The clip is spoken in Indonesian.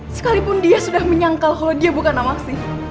sekalipun dia sudah menyangkal kalau dia bukan nawangsi